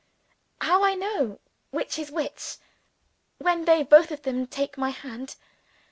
"How I know which is which when they both of them take my hand.